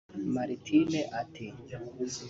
Martine ati